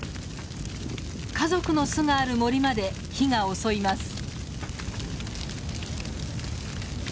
家族の巣がある森まで火が襲います。